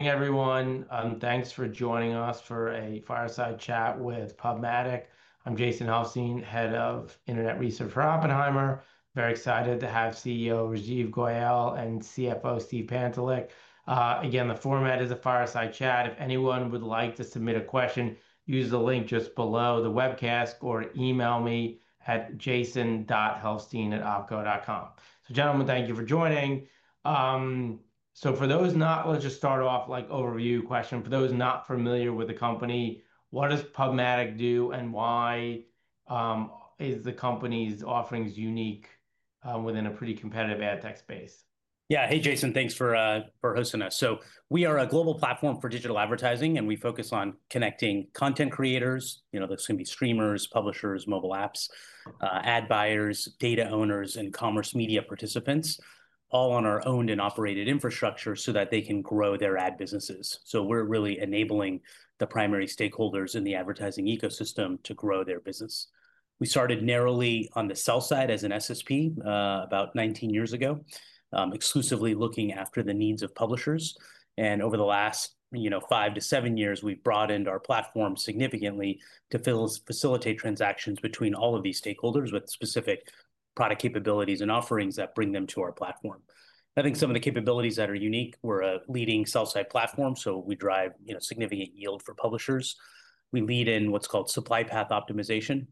Hey, everyone. Thanks for joining us for a fireside chat with PubMatic. I'm Jason Helfstein, Head of Internet Research for Oppenheimer & Co. Very excited to have CEO Rajeev Goel and CFO Steve Pantelick. The format is a fireside chat. If anyone would like to submit a question, use the link just below the webcast or email me at jason.helfstein@opco.com. Gentlemen, thank you for joining. For those not, let's just start off with an overview question. For those not familiar with the company, what does PubMatic do and why is the company's offerings unique within a pretty competitive ad tech space? Yeah. Hey, Jason. Thanks for hosting us. We are a global platform for digital advertising, and we focus on connecting content creators, you know, this can be streamers, publishers, mobile apps, ad buyers, data owners, and commerce media participants, all on our owned and operated infrastructure so that they can grow their ad businesses. We're really enabling the primary stakeholders in the advertising ecosystem to grow their business. We started narrowly on the sell side as an SSP about 19 years ago, exclusively looking after the needs of publishers. Over the last five to seven years, we've broadened our platform significantly to facilitate transactions between all of these stakeholders with specific product capabilities and offerings that bring them to our platform. I think some of the capabilities that are unique, we're a leading sell-side platform. We drive significant yield for publishers. We lead in what's called supply path optimization.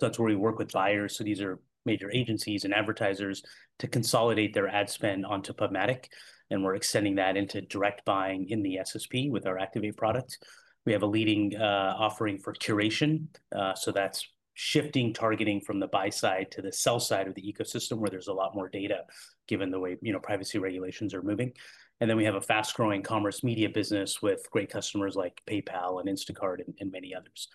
That's where we work with buyers. These are major agencies and advertisers to consolidate their ad spend onto PubMatic. We're extending that into direct buying in the SSP with our Activate product. We have a leading offering for curation. That's shifting targeting from the buy side to the sell side of the ecosystem, where there's a lot more data given the way privacy regulations are moving. We have a fast-growing commerce media business with great customers like PayPal and Instacart and many others.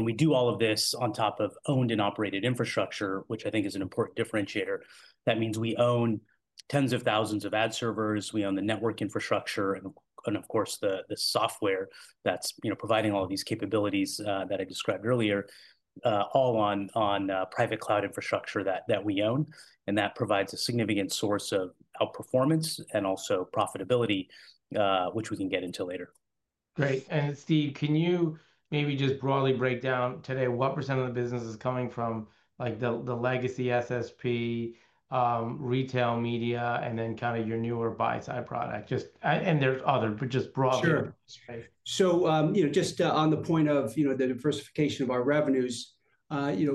We do all of this on top of owned and operated infrastructure, which I think is an important differentiator. That means we own tens of thousands of ad servers. We own the network infrastructure and, of course, the software that's providing all of these capabilities that I described earlier, all on private cloud infrastructure that we own. That provides a significant source of outperformance and also profitability, which we can get into later. Great. Steve, can you maybe just broadly break down today what percent of the business is coming from the legacy SSP, retail media, and then your newer buy-side product? There's other, but just broadly. Sure. Just on the point of the diversification of our revenues,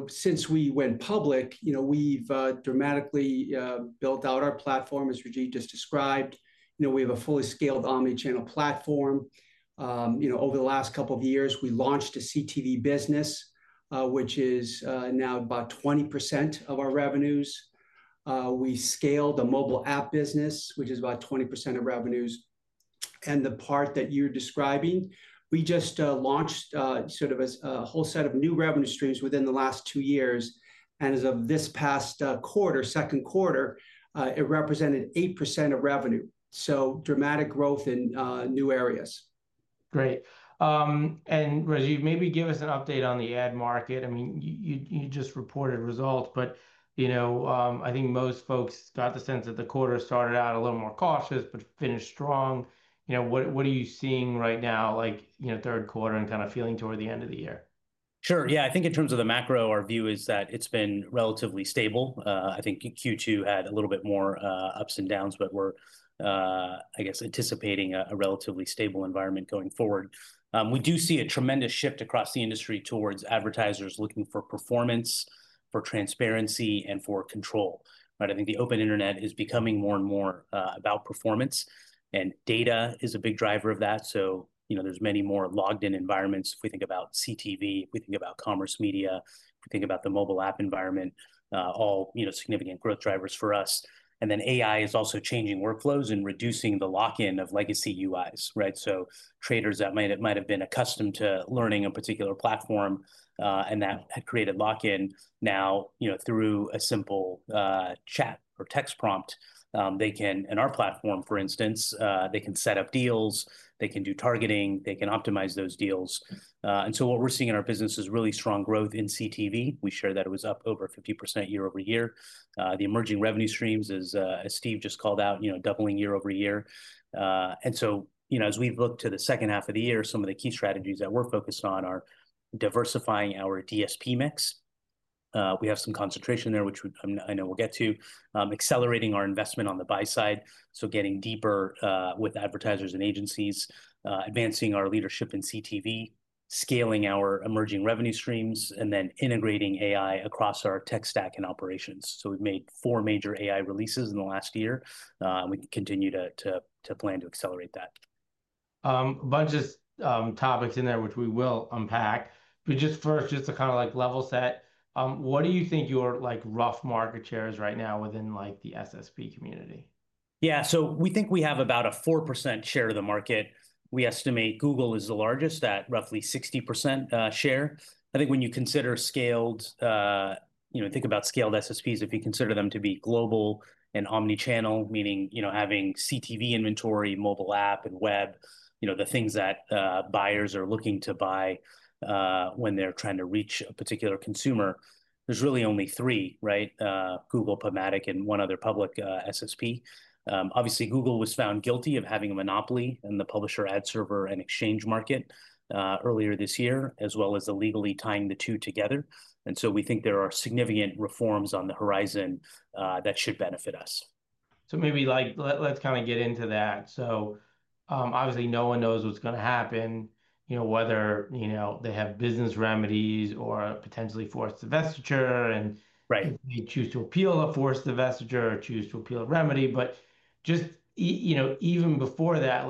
since we went public, we've dramatically built out our platform, as Rajeev just described. We have a fully scaled omnichannel platform. Over the last couple of years, we launched a CTV business, which is now about 20% of our revenues. We scaled a mobile app business, which is about 20% of revenues. The part that you're describing, we just launched sort of a whole set of new revenue streams within the last two years. As of this past quarter, second quarter, it represented 8% of revenue. Dramatic growth in new areas. Great. Rajeev, maybe give us an update on the ad market. You just reported results, but I think most folks got the sense that the quarter started out a little more cautious, but finished strong. What are you seeing right now, like third quarter and kind of feeling toward the end of the year? Sure. Yeah, I think in terms of the macro, our view is that it's been relatively stable. I think Q2 had a little bit more ups and downs, but we're anticipating a relatively stable environment going forward. We do see a tremendous shift across the industry towards advertisers looking for performance, for transparency, and for control. I think the open internet is becoming more and more about performance. Data is a big driver of that. There are many more logged-in environments. If we think about CTV, if we think about commerce media, if we think about the mobile app environment, all are significant growth drivers for us. AI is also changing workflows and reducing the lock-in of legacy UIs. Traders that might have been accustomed to learning a particular platform and that had created lock-in, now through a simple chat or text prompt, they can, in our platform, for instance, set up deals, do targeting, and optimize those deals. What we're seeing in our business is really strong growth in CTV. We shared that it was up over 50% year-over-year. The emerging revenue streams, as Steve just called out, are doubling year-over-year. As we look to the second half of the year, some of the key strategies that we're focused on are diversifying our DSP mix. We have some concentration there, which I know we'll get to, accelerating our investment on the buy side, getting deeper with advertisers and agencies, advancing our leadership in CTV, scaling our emerging revenue streams, and integrating AI across our tech stack and operations. We've made four major AI releases in the last year, and we continue to plan to accelerate that. A bunch of topics in there, which we will unpack. Just first, just to kind of level set, what do you think your rough market share is right now within the SSP community? Yeah, so we think we have about a 4% share of the market. We estimate Google is the largest at roughly 60% share. I think when you consider scaled, think about scaled SSPs, if you consider them to be global and omnichannel, meaning having CTV inventory, mobile app, and web, the things that buyers are looking to buy when they're trying to reach a particular consumer, there's really only three, right? Google, PubMatic, and one other public SSP. Obviously, Google was found guilty of having a monopoly in the publisher ad server and exchange market earlier this year, as well as illegally tying the two together. We think there are significant reforms on the horizon that should benefit us. Maybe let's kind of get into that. Obviously, no one knows what's going to happen, whether they have business remedies or potentially forced divestiture, and if they choose to appeal a forced divestiture or choose to appeal a remedy. Just even before that,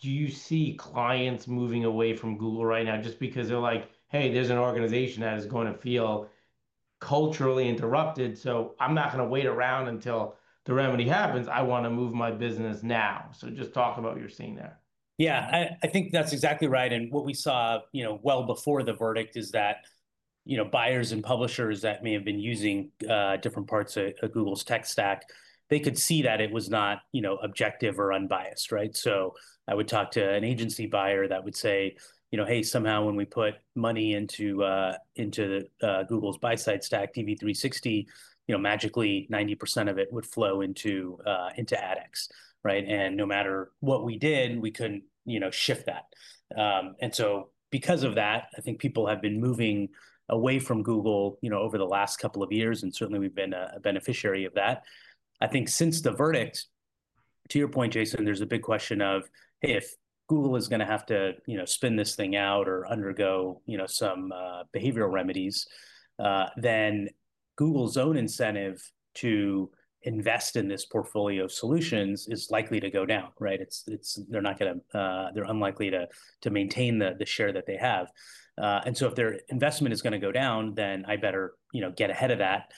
do you see clients moving away from Google right now just because they're like, hey, there's an organization that is going to feel culturally interrupted? I'm not going to wait around until the remedy happens. I want to move my business now. Just talk about what you're seeing there. Yeah, I think that's exactly right. What we saw well before the verdict is that buyers and publishers that may have been using different parts of Google's tech stack could see that it was not objective or unbiased. I would talk to an agency buyer that would say, hey, somehow when we put money into Google's buy-side stack, DV360, magically 90% of it would flow into AdX. No matter what we did, we couldn't shift that. Because of that, I think people have been moving away from Google over the last couple of years, and certainly we've been a beneficiary of that. I think since the verdict, to your point, Jason, there's a big question of if Google is going to have to spin this thing out or undergo some behavioral remedies, then Google's own incentive to invest in this portfolio of solutions is likely to go down. They're unlikely to maintain the share that they have. If their investment is going to go down, then I better get ahead of that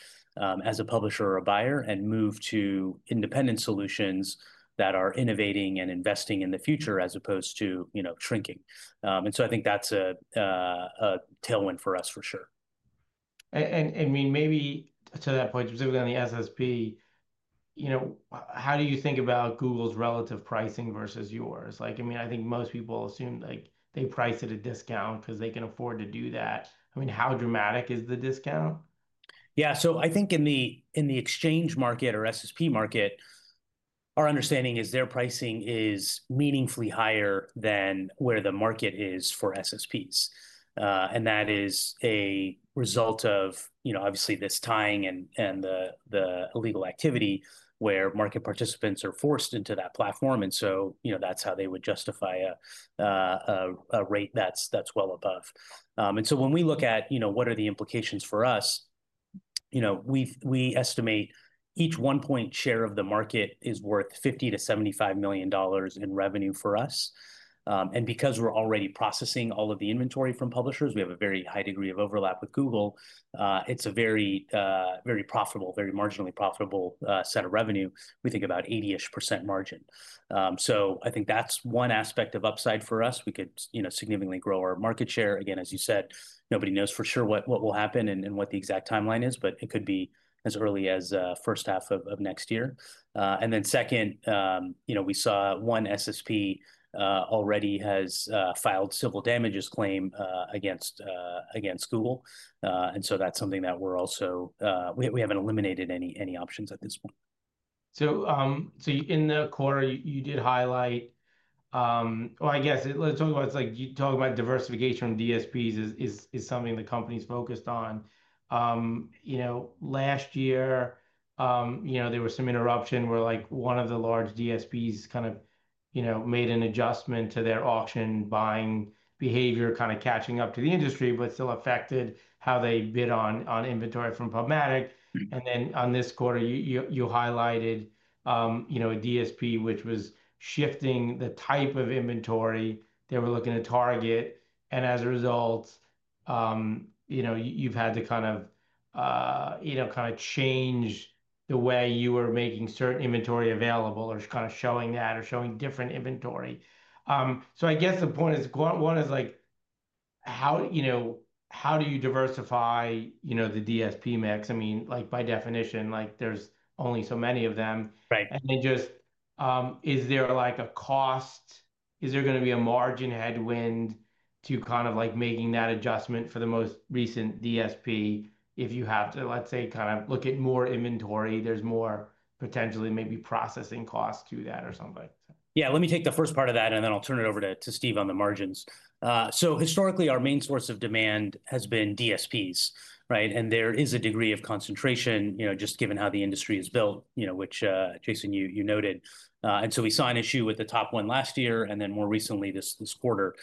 as a publisher or a buyer and move to independent solutions that are innovating and investing in the future as opposed to shrinking. I think that's a tailwind for us for sure. Maybe to that point, specifically on the SSP, how do you think about Google's relative pricing versus yours? I think most people assume they price at a discount because they can afford to do that. How dramatic is the discount? Yeah, so I think in the exchange market or SSP market, our understanding is their pricing is meaningfully higher than where the market is for SSPs. That is a result of, obviously, this tying and the illegal activity where market participants are forced into that platform. That's how they would justify a rate that's well above. When we look at what are the implications for us, we estimate each one-point share of the market is worth $50 million-$75 million in revenue for us. Because we're already processing all of the inventory from publishers, we have a very high degree of overlap with Google. It's a very profitable, very marginally profitable set of revenue. We think about 80% margin. I think that's one aspect of upside for us. We could significantly grow our market share. As you said, nobody knows for sure what will happen and what the exact timeline is, but it could be as early as the first half of next year. Second, we saw one SSP already has filed a civil damages claim against Google. That's something that we're also, we haven't eliminated any options at this point. In the quarter, you did highlight, I guess let's talk about, it's like you talk about diversification of DSPs as something the company's focused on. Last year, there was some interruption where one of the large DSPs made an adjustment to their auction buying behavior, catching up to the industry, but it still affected how they bid on inventory from PubMatic. In this quarter, you highlighted a DSP which was shifting the type of inventory they were looking to target. As a result, you've had to change the way you were making certain inventory available or showing different inventory. The point is, one is how do you diversify the DSP mix? By definition, there's only so many of them. Is there a cost? Is there going to be a margin headwind to making that adjustment for the most recent DSP if you have to, let's say, look at more inventory? There's more potentially maybe processing costs to that or something like that. Let me take the first part of that, and then I'll turn it over to Steve on the margins. Historically, our main source of demand has been DSPs. There is a degree of concentration, just given how the industry is built, which, Jason, you noted. We saw an issue with the top one last year and then more recently this quarter.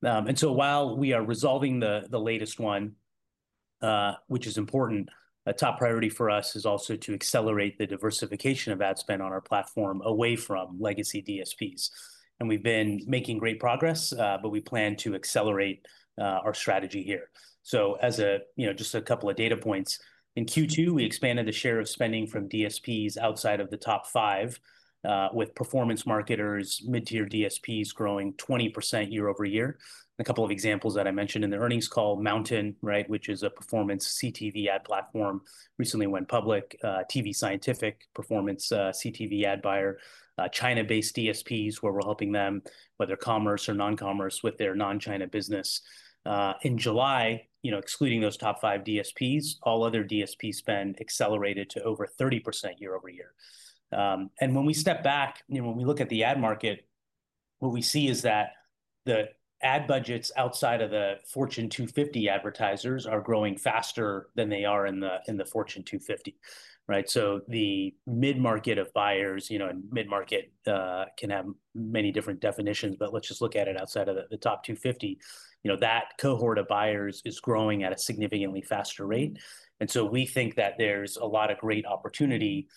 While we are resolving the latest one, which is important, a top priority for us is also to accelerate the diversification of ad spend on our platform away from legacy DSPs. We've been making great progress, but we plan to accelerate our strategy here. Just a couple of data points. In Q2, we expanded the share of spending from DSPs outside of the top five, with performance marketers, mid-tier DSPs growing 20% year-over-year. A couple of examples that I mentioned in the earnings call: MNTN, which is a performance CTV ad platform, recently went public; tvScientific, performance CTV ad buyer; China-based DSPs, where we're helping them, whether commerce or non-commerce, with their non-China business. In July, excluding those top five DSPs, all other DSP spend accelerated to over 30% year-over-year. When we step back, when we look at the ad market, what we see is that the ad budgets outside of the Fortune 250 advertisers are growing faster than they are in the Fortune 250. The mid-market of buyers, and mid-market can have many different definitions, but let's just look at it outside of the top 250. That cohort of buyers is growing at a significantly faster rate. We think that there's a lot of great opportunity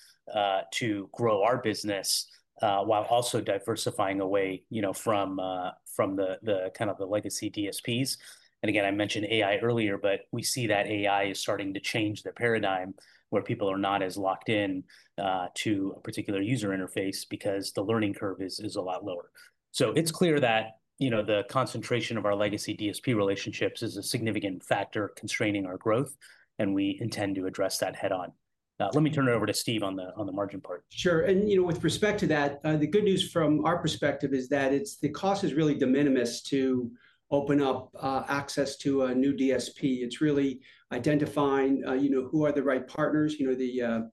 to grow our business while also diversifying away from the kind of the legacy DSPs. I mentioned AI earlier, but we see that AI is starting to change the paradigm where people are not as locked in to a particular user interface because the learning curve is a lot lower. It is clear that the concentration of our legacy DSP relationships is a significant factor constraining our growth, and we intend to address that head-on. Let me turn it over to Steve on the margin part. Sure. With respect to that, the good news from our perspective is that the cost is really de minimis to open up access to a new DSP. It's really identifying who are the right partners, the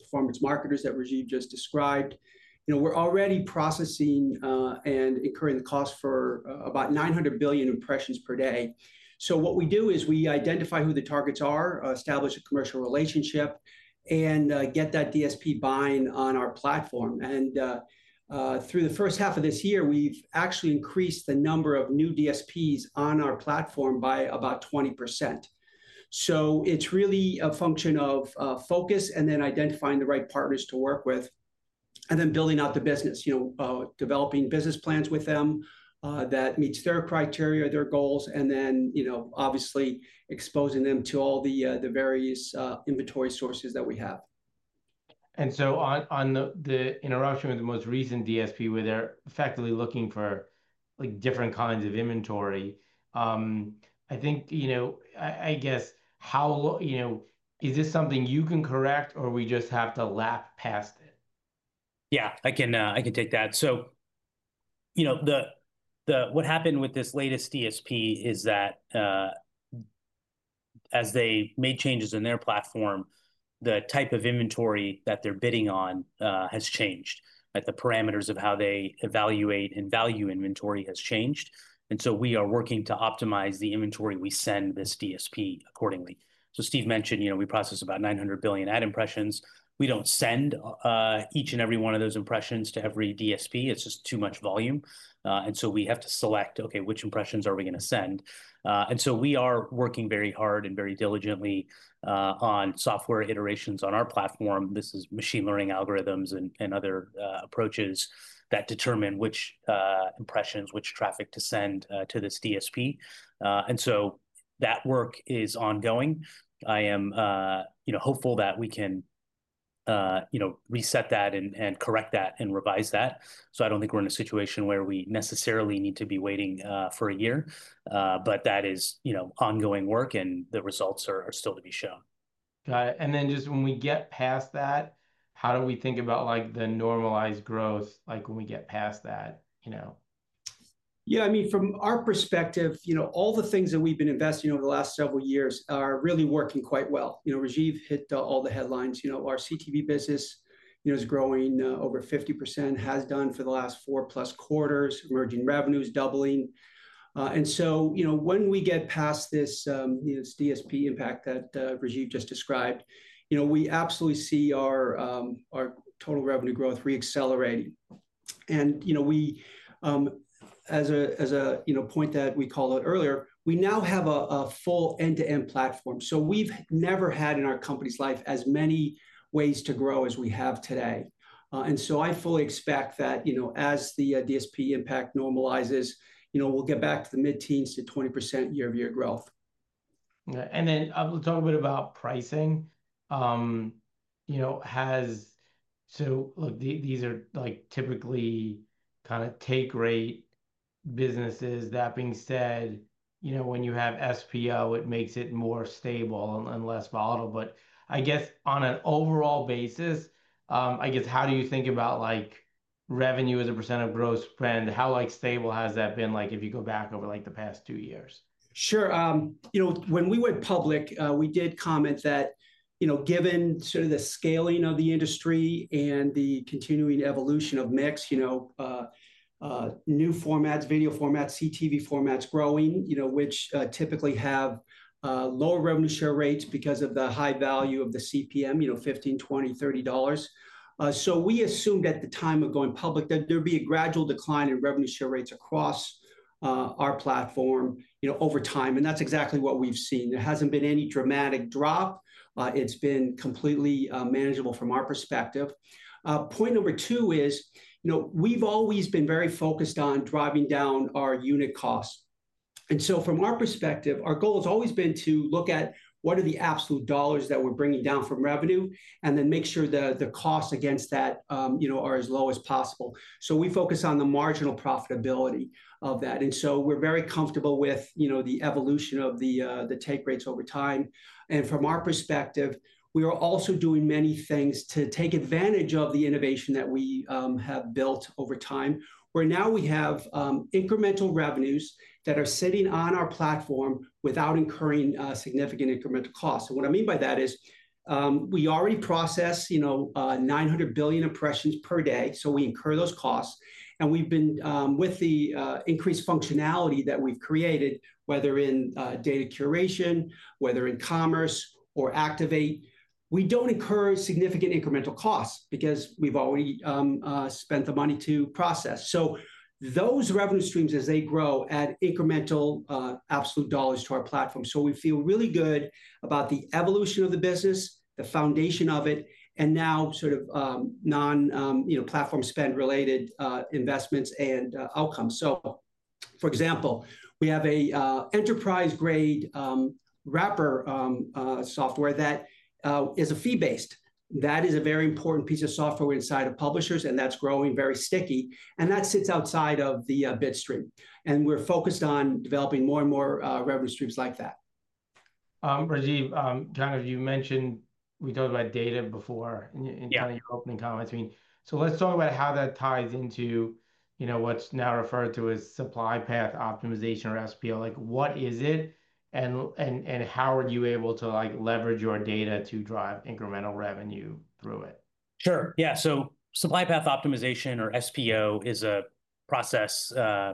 performance marketers that Rajeev just described. We're already processing and incurring the cost for about 900 billion impressions per day. What we do is identify who the targets are, establish a commercial relationship, and get that DSP buying on our platform. Through the first half of this year, we've actually increased the number of new DSPs on our platform by about 20%. It's really a function of focus and then identifying the right partners to work with and then building out the business, developing business plans with them that meet their criteria, their goals, and obviously exposing them to all the various inventory sources that we have. On the interruption with the most recent DSP, where they're effectively looking for different kinds of inventory, is this something you can correct or we just have to lap past it? Yeah, I can take that. What happened with this latest DSP is that as they made changes in their platform, the type of inventory that they're bidding on has changed. The parameters of how they evaluate and value inventory have changed. We are working to optimize the inventory we send this DSP accordingly. Steve mentioned we process about 900 billion ad impressions. We don't send each and every one of those impressions to every DSP. It's just too much volume, so we have to select, OK, which impressions are we going to send? We are working very hard and very diligently on software iterations on our platform. This is machine learning algorithms and other approaches that determine which impressions, which traffic to send to this DSP. That work is ongoing. I am hopeful that we can reset that and correct that and revise that. I don't think we're in a situation where we necessarily need to be waiting for a year. That is ongoing work, and the results are still to be shown. Got it. When we get past that, how do we think about the normalized growth when we get past that? Yeah, I mean, from our perspective, all the things that we've been investing in over the last several years are really working quite well. Rajeev hit all the headlines. Our CTV business is growing over 50%, has done for the last four-plus quarters, emerging revenues doubling. When we get past this DSP impact that Rajeev just described, we absolutely see our total revenue growth reaccelerating. As a point that we called out earlier, we now have a full end-to-end platform. We've never had in our company's life as many ways to grow as we have today. I fully expect that as the DSP impact normalizes, we'll get back to the mid-teens to 20% year-over-year growth. Talk a bit about pricing. These are typically kind of take-rate businesses. That being said, when you have SPO, it makes it more stable and less volatile. On an overall basis, how do you think about revenue as a percent of gross spend? How stable has that been if you go back over the past two years? Sure. When we went public, we did comment that given sort of the scaling of the industry and the continuing evolution of mix, new formats, video formats, CTV formats growing, which typically have lower revenue share rates because of the high value of the CPM, $15, $20, $30. We assumed at the time of going public that there would be a gradual decline in revenue share rates across our platform over time. That is exactly what we've seen. There hasn't been any dramatic drop. It's been completely manageable from our perspective. Point number two is we've always been very focused on driving down our unit costs. From our perspective, our goal has always been to look at what are the absolute dollars that we're bringing down from revenue and then make sure that the costs against that are as low as possible. We focus on the marginal profitability of that. We are very comfortable with the evolution of the take rates over time. From our perspective, we are also doing many things to take advantage of the innovation that we have built over time, where now we have incremental revenues that are sitting on our platform without incurring significant incremental costs. What I mean by that is we already process 900 billion impressions per day. We incur those costs. With the increased functionality that we've created, whether in data curation, whether in commerce or Activate, we don't incur significant incremental costs because we've already spent the money to process. Those revenue streams, as they grow, add incremental absolute dollars to our platform. We feel really good about the evolution of the business, the foundation of it, and now sort of non-platform spend-related investments and outcomes. For example, we have an enterprise-grade wrapper software that is fee-based. That is a very important piece of software inside of publishers, and that's growing very sticky. That sits outside of the bid stream. We're focused on developing more and more revenue streams like that. Rajeev, you mentioned we talked about data before in your opening comments. Let's talk about how that ties into what's now referred to as supply path optimization or SPO. What is it, and how are you able to leverage your data to drive incremental revenue through it? Sure. Yeah, so supply path optimization or SPO is a process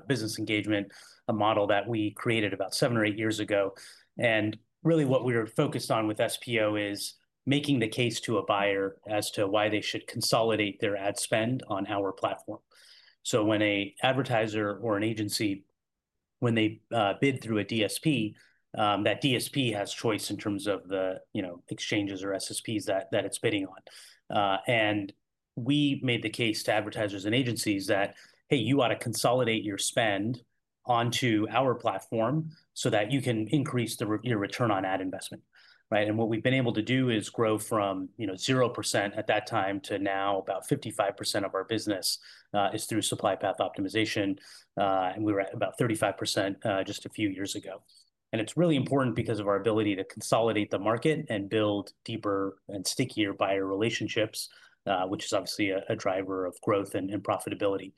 business engagement model that we created about seven or eight years ago. What we're focused on with SPO is making the case to a buyer as to why they should consolidate their ad spend on our platform. When an advertiser or an agency bids through a DSP, that DSP has choice in terms of the exchanges or SSPs that it's bidding on. We made the case to advertisers and agencies that, hey, you ought to consolidate your spend onto our platform so that you can increase your return on ad investment. What we've been able to do is grow from 0% at that time to now about 55% of our business is through supply path optimization. We were at about 35% just a few years ago. It's really important because of our ability to consolidate the market and build deeper and stickier buyer relationships, which is obviously a driver of growth and profitability.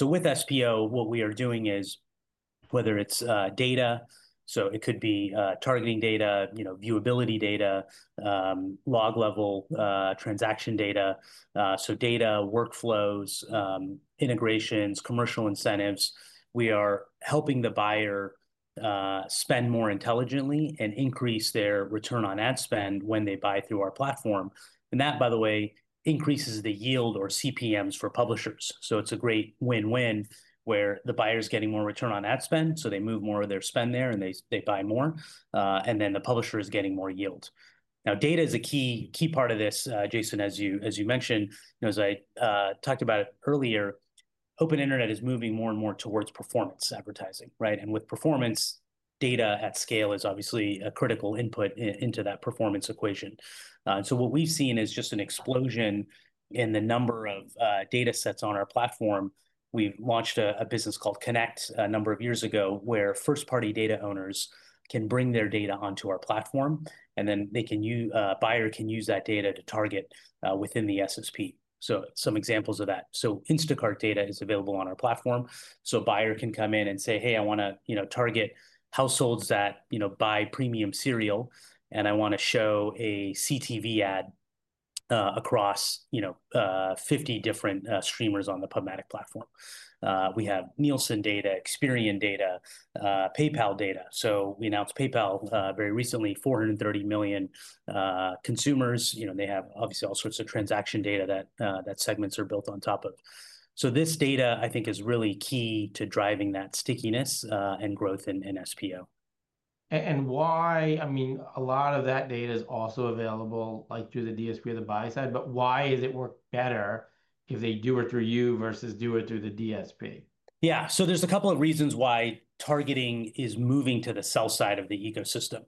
With SPO, what we are doing is whether it's data, so it could be targeting data, viewability data, log-level transaction data, workflows, integrations, commercial incentives, we are helping the buyer spend more intelligently and increase their return on ad spend when they buy through our platform. That, by the way, increases the yield or CPMs for publishers. It's a great win-win where the buyer is getting more return on ad spend, so they move more of their spend there and they buy more, and then the publisher is getting more yield. Data is a key part of this, Jason, as you mentioned. As I talked about earlier, open internet is moving more and more towards performance advertising. With performance, data at scale is obviously a critical input into that performance equation. What we've seen is just an explosion in the number of data sets on our platform. We launched a business called Connect a number of years ago where first-party data owners can bring their data onto our platform, and then the buyer can use that data to target within the SSP. Some examples of that: Instacart data is available on our platform, so a buyer can come in and say, hey, I want to target households that buy premium cereal, and I want to show a CTV ad across 50 different streamers on the PubMatic platform. We have Nielsen data, Experian data, PayPal data. We announced PayPal very recently, 430 million consumers. They have obviously all sorts of transaction data that segments are built on top of. This data, I think, is really key to driving that stickiness and growth in SPO. Why, I mean, a lot of that data is also available through the DSP or the buy side, but why is it working better if they do it through you versus do it through the DSP? Yeah, so there's a couple of reasons why targeting is moving to the sell side of the ecosystem.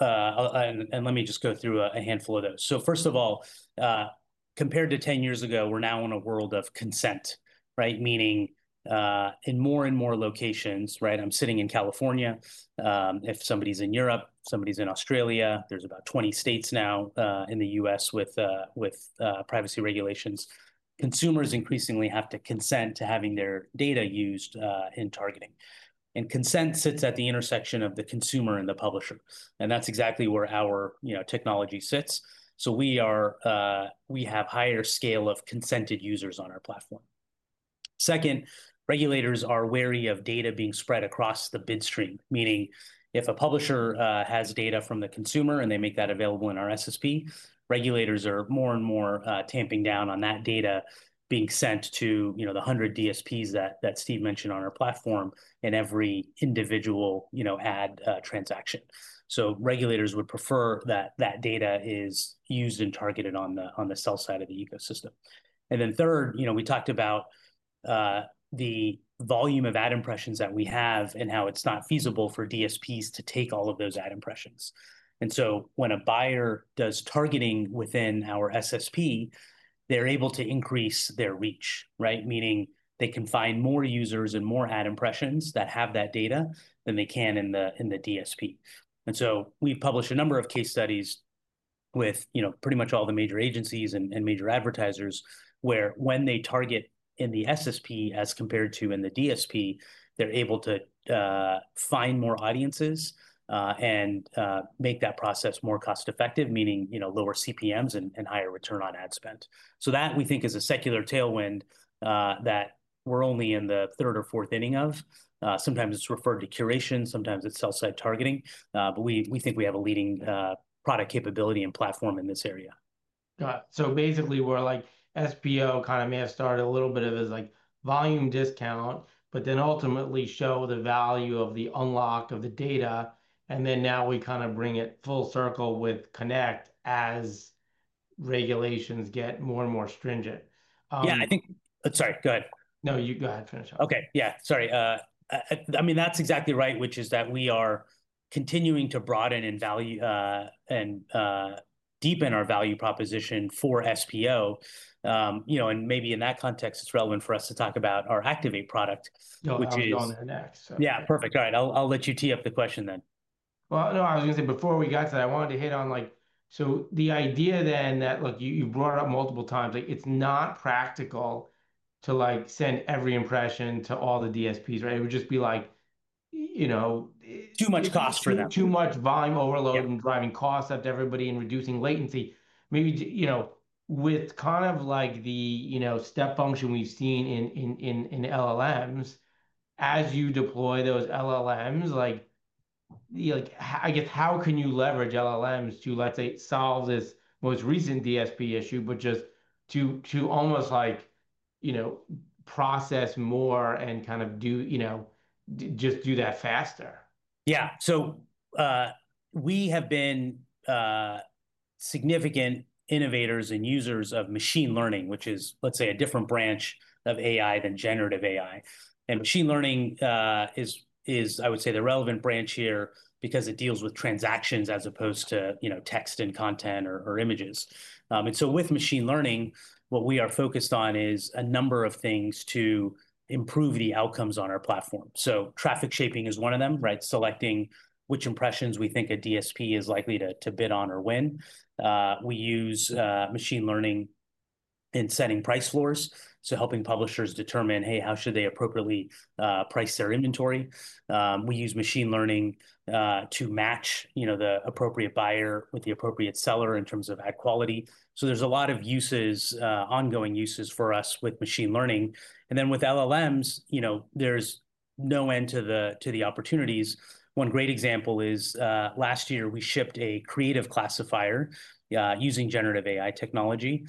Let me just go through a handful of those. First of all, compared to 10 years ago, we're now in a world of consent, meaning in more and more locations, I'm sitting in California. If somebody's in Europe, somebody's in Australia, there's about 20 states now in the U.S. with privacy regulations. Consumers increasingly have to consent to having their data used in targeting. Consent sits at the intersection of the consumer and the publisher, and that's exactly where our technology sits. We have a higher scale of consented users on our platform. Second, regulators are wary of data being spread across the bid stream, meaning if a publisher has data from the consumer and they make that available in our SSP, regulators are more and more tamping down on that data being sent to the 100 DSPs that Steve mentioned on our platform in every individual ad transaction. Regulators would prefer that that data is used and targeted on the sell side of the ecosystem. Third, we talked about the volume of ad impressions that we have and how it's not feasible for DSPs to take all of those ad impressions. When a buyer does targeting within our SSP, they're able to increase their reach, meaning they can find more users and more ad impressions that have that data than they can in the DSP. We've published a number of case studies with pretty much all the major agencies and major advertisers where when they target in the SSP as compared to in the DSP, they're able to find more audiences and make that process more cost-effective, meaning lower CPMs and higher return on ad spend. We think that is a secular tailwind that we're only in the third or fourth inning of. Sometimes it's referred to as curation. Sometimes it's sell-side targeting. We think we have a leading product capability and platform in this area. Got it. Basically, supply path optimization kind of may have started a little bit of a volume discount, but then ultimately show the value of the unlock of the data. Now we kind of bring it full circle with Connect as regulations get more and more stringent. Yeah, I think, go ahead. No, you go ahead. Finish up. Yeah, sorry. I mean, that's exactly right, which is that we are continuing to broaden and deepen our value proposition for SPO. Maybe in that context, it's relevant for us to talk about our Activate product. Yeah, I'll go on there next. Yeah, perfect. All right, I'll let you tee up the question then. I was going to say before we got to that, I wanted to hit on, so the idea then that, look, you brought it up multiple times, it's not practical to send every impression to all the DSPs. It would just be like. Too much cost for them. Too much volume overload is driving costs up to everybody and reducing latency. Maybe with kind of like the step function we've seen in LLMs, as you deploy those LLMs, I guess how can you leverage LLMs to, let's say, solve this most recent DSP issue, just to almost like process more and kind of just do that faster? Yeah, we have been significant innovators and users of machine learning, which is, let's say, a different branch of AI than generative AI. Machine learning is, I would say, the relevant branch here because it deals with transactions as opposed to text and content or images. With machine learning, what we are focused on is a number of things to improve the outcomes on our platform. Traffic shaping is one of them, selecting which impressions we think a DSP is likely to bid on or win. We use machine learning in setting price floors, helping publishers determine, hey, how should they appropriately price their inventory? We use machine learning to match the appropriate buyer with the appropriate seller in terms of ad quality. There are a lot of ongoing uses for us with machine learning. With LLMs, there is no end to the opportunities. One great example is last year we shipped a creative classifier using generative AI technology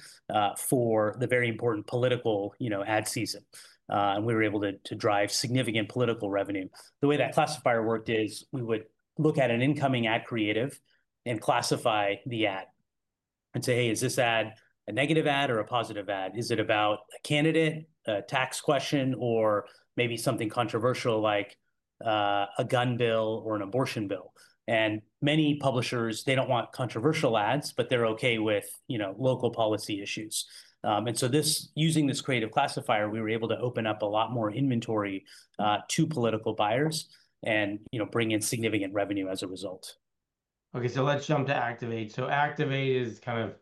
for the very important political ad season. We were able to drive significant political revenue. The way that classifier worked is we would look at an incoming ad creative and classify the ad and say, hey, is this ad a negative ad or a positive ad? Is it about a candidate, a tax question, or maybe something controversial like a gun bill or an abortion bill? Many publishers do not want controversial ads, but they are OK with local policy issues. Using this creative classifier, we were able to open up a lot more inventory to political buyers and bring in significant revenue as a result. OK, let's jump to Activate. Activate is kind of,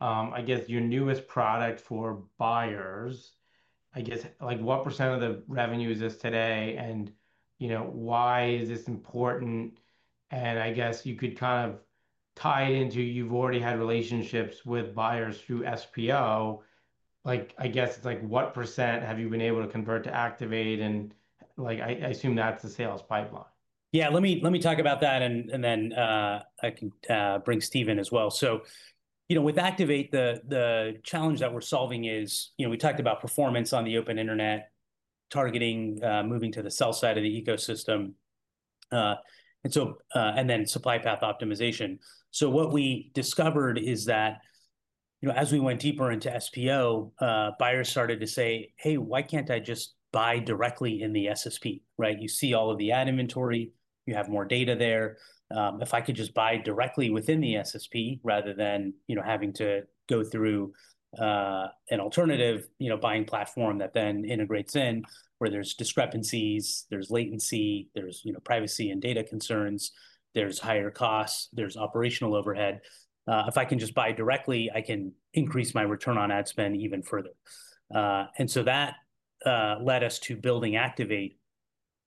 I guess, your newest product for buyers. What percent of the revenue is this today? Why is this important? I guess you could tie it into you've already had relationships with buyers through SPO. What percent have you been able to convert to Activate? I assume that's the sales pipeline. Yeah, let me talk about that. Then I can bring Steve in as well. With Activate, the challenge that we're solving is we talked about performance on the open internet, targeting, moving to the sell side of the ecosystem, and supply path optimization. What we discovered is that as we went deeper into SPO, buyers started to say, hey, why can't I just buy directly in the SSP? You see all of the ad inventory. You have more data there. If I could just buy directly within the SSP rather than having to go through an alternative buying platform that then integrates in, where there's discrepancies, there's latency, there's privacy and data concerns, there's higher costs, there's operational overhead. If I can just buy directly, I can increase my return on ad spend even further. That led us to building Activate,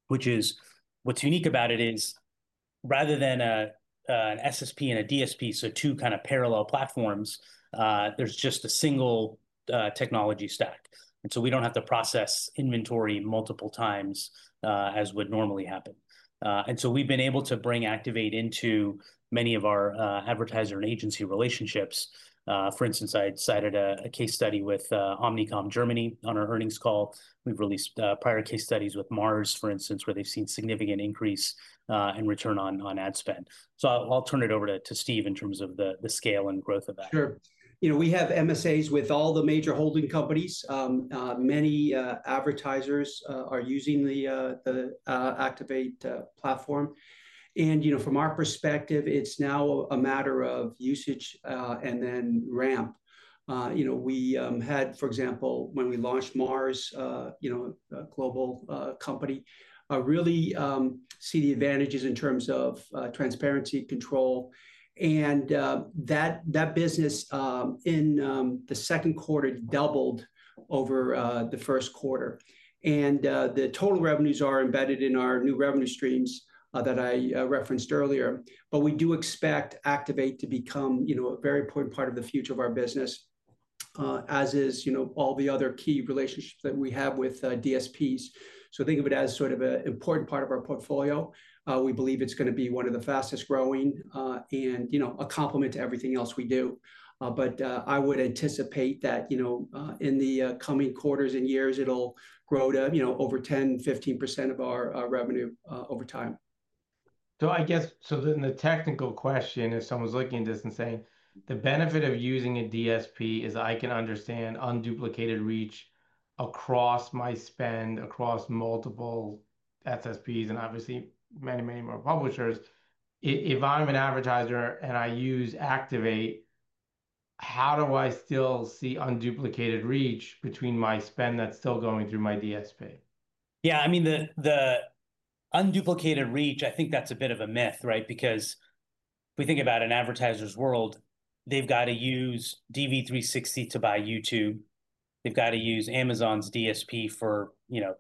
which is what's unique about it. Rather than an SSP and a DSP, so two kind of parallel platforms, there's just a single technology stack. We don't have to process inventory multiple times as would normally happen. We've been able to bring Activate into many of our advertiser and agency relationships. For instance, I cited a case study with Omnicom Germany on our earnings call. We've released prior case studies with Mars, for instance, where they've seen a significant increase in return on ad spend. I'll turn it over to Steve in terms of the scale and growth of that. Sure. We have MSAs with all the major holding companies. Many advertisers are using the Activate platform. From our perspective, it's now a matter of usage and then RAM. For example, when we launched, Mars, a global company, really saw the advantages in terms of transparency and control. That business in the second quarter doubled over the first quarter. The total revenues are embedded in our new revenue streams that I referenced earlier. We do expect Activate to become a very important part of the future of our business, as are all the other key relationships that we have with DSPs. Think of it as an important part of our portfolio. We believe it's going to be one of the fastest growing and a complement to everything else we do. I would anticipate that in the coming quarters and years, it'll grow to over 10%, 15% of our revenue over time. I guess, then the technical question, if someone's looking at this and saying, the benefit of using a DSP is I can understand unduplicated reach across my spend, across multiple SSPs, and obviously many, many more publishers. If I'm an advertiser and I use Activate, how do I still see unduplicated reach between my spend that's still going through my DSP? Yeah, I mean, the unduplicated reach, I think that's a bit of a myth, right? Because if we think about an advertiser's world, they've got to use DV360 to buy YouTube. They've got to use Amazon's DSP for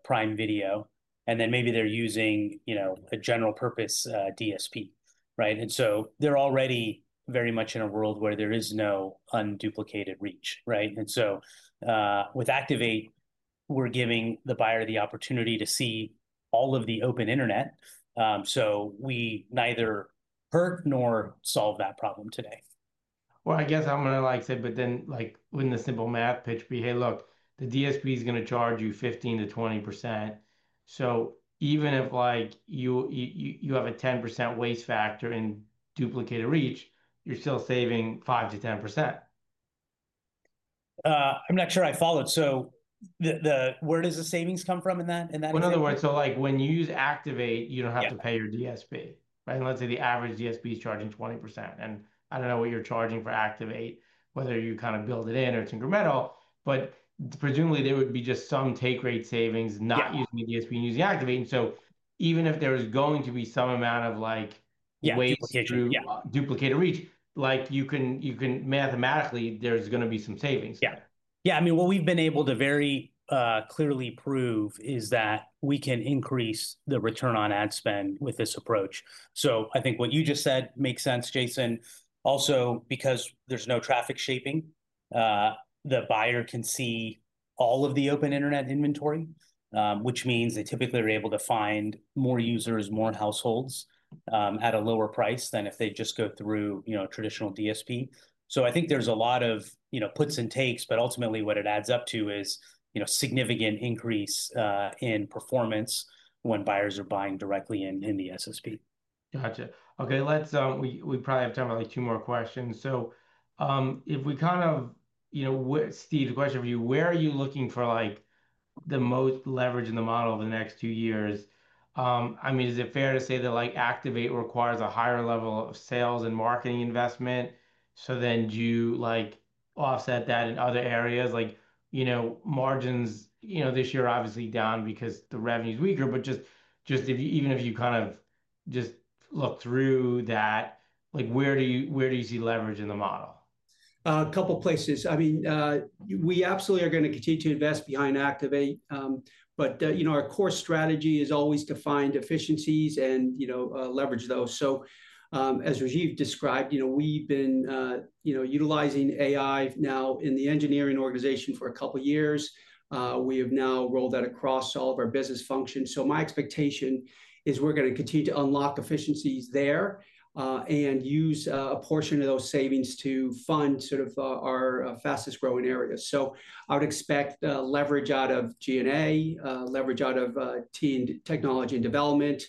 Prime Video. Maybe they're using a general-purpose DSP, and they're already very much in a world where there is no unduplicated reach. With Activate, we're giving the buyer the opportunity to see all of the open internet, so we neither hurt nor solve that problem today. I guess I'm going to like to say, but then wouldn't a simple math pitch be, hey, look, the DSP is going to charge you 15%-20%. Even if you have a 10% waste factor in duplicated reach, you're still saving 5%-10%. I'm not sure I followed. Where does the savings come from in that? In other words, when you use Activate, you don't have to pay your DSP. Let's say the average DSP is charging 20%. I don't know what you're charging for Activate, whether you kind of build it in or it's incremental, but presumably, there would be just some take-rate savings not using the DSP and using Activate. Even if there is going to be some amount of waste through duplicated reach, you can mathematically, there's going to be some savings. Yeah, I mean, what we've been able to very clearly prove is that we can increase the return on ad spend with this approach. I think what you just said makes sense, Jason. Also, because there's no traffic shaping, the buyer can see all of the open internet inventory, which means they typically are able to find more users, more households at a lower price than if they just go through a traditional DSP. I think there's a lot of puts and takes, but ultimately what it adds up to is a significant increase in performance when buyers are buying directly in the SSP. Gotcha. OK, we probably have time for two more questions. If we kind of, you know, Steve, the question for you, where are you looking for like the most leverage in the model over the next two years? I mean, is it fair to say that like Activate requires a higher level of sales and marketing investment? Do you like offset that in other areas? Margins this year are obviously down because the revenue is weaker. Just even if you kind of just look through that, where do you see leverage in the model? A couple of places. I mean, we absolutely are going to continue to invest behind Activate. Our core strategy is always to find efficiencies and leverage those. As Rajeev described, we've been utilizing AI now in the engineering organization for a couple of years. We have now rolled that across all of our business functions. My expectation is we're going to continue to unlock efficiencies there and use a portion of those savings to fund sort of our fastest growing areas. I would expect leverage out of G&A, leverage out of team technology and development,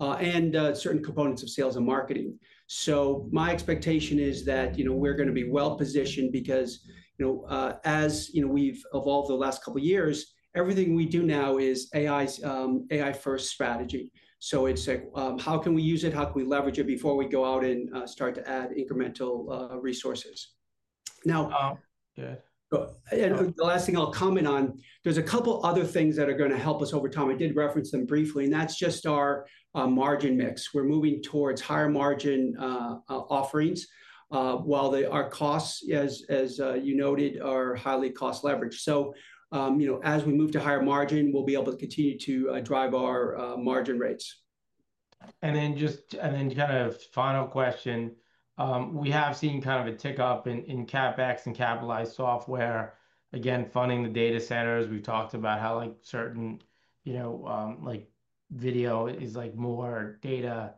and certain components of sales and marketing. My expectation is that we're going to be well positioned because as we've evolved the last couple of years, everything we do now is AI-first strategy. It's how can we use it? How can we leverage it before we go out and start to add incremental resources? The last thing I'll comment on, there's a couple of other things that are going to help us over time. I did reference them briefly. That's just our margin mix. We're moving towards higher margin offerings while our costs, as you noted, are highly cost leveraged. As we move to higher margin, we'll be able to continue to drive our margin rates. Just a kind of final question. We have seen kind of a tick up in CapEx and capitalized software, again, funding the data centers. We've talked about how certain video is more data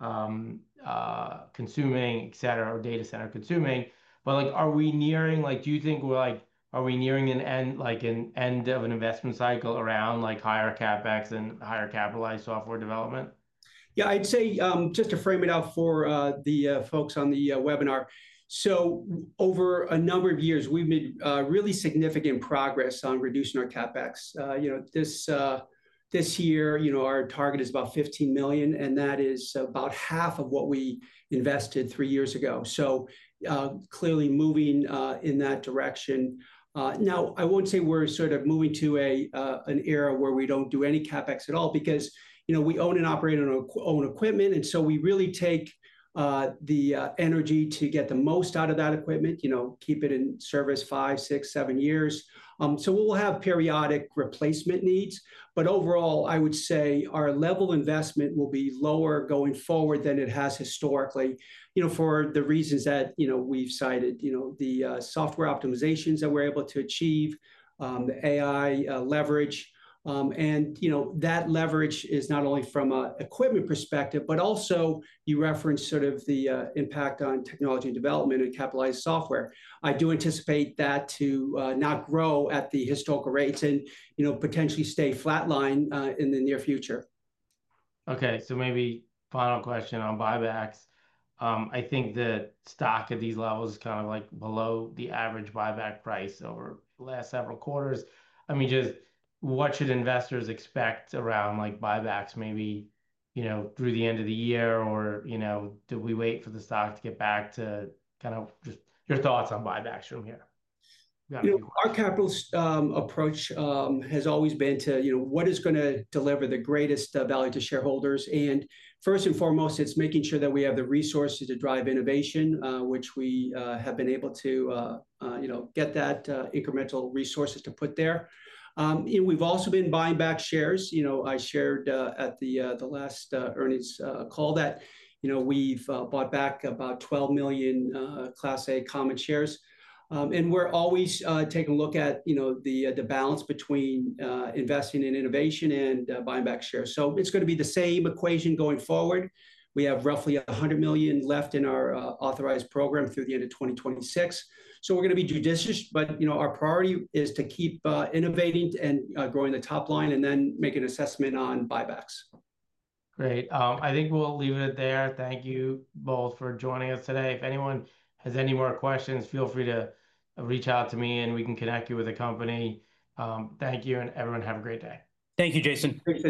consuming, et cetera, or data center consuming. Are we nearing, do you think we're nearing an end of an investment cycle around higher CapEx and higher capitalized software development? Yeah, I'd say just to frame it out for the folks on the webinar. Over a number of years, we've made really significant progress on reducing our CapEx. This year, our target is about $15 million, and that is about half of what we invested three years ago. Clearly moving in that direction. I won't say we're sort of moving to an era where we don't do any CapEx at all because we own and operate our own equipment. We really take the energy to get the most out of that equipment, keep it in service five, six, seven years. We'll have periodic replacement needs. Overall, I would say our level of investment will be lower going forward than it has historically for the reasons that we've cited, the software optimizations that we're able to achieve, the AI leverage. That leverage is not only from an equipment perspective, but also you referenced the impact on technology and development and capitalized software. I do anticipate that to not grow at the historical rates and potentially stay flatlined in the near future. OK, maybe final question on buybacks. I think the stock at these levels is kind of like below the average buyback price over the last several quarters. Just what should investors expect around buybacks maybe through the end of the year? Do we wait for the stock to get back to kind of just your thoughts on buybacks from here? Our capital approach has always been to what is going to deliver the greatest value to shareholders. First and foremost, it's making sure that we have the resources to drive innovation, which we have been able to get that incremental resources to put there. We've also been buying back shares. I shared at the last earnings call that we've bought back about $12 million Class A common shares. We're always taking a look at the balance between investing in innovation and buying back shares. It's going to be the same equation going forward. We have roughly $100 million left in our authorized program through the end of 2026. We're going to be judicious, but our priority is to keep innovating and growing the top line and then make an assessment on buybacks. Great. I think we'll leave it there. Thank you both for joining us today. If anyone has any more questions, feel free to reach out to me, and we can connect you with the company. Thank you, and everyone have a great day. Thank you, Jason. Thank you.